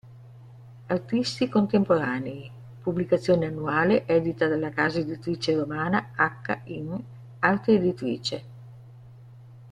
Artisti contemporanei; pubblicazione annuale, edita dalla casa editrice romana Acca in... Arte Editrice.